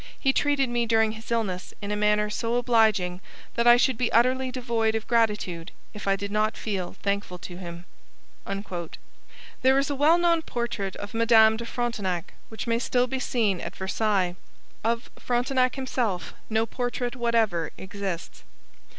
He treated me during his illness in a manner so obliging that I should be utterly devoid of gratitude if I did not feel thankful to him.' There is a well known portrait of Madame de Frontenac, which may still be seen at Versailles. Of Frontenac himself no portrait whatever exists.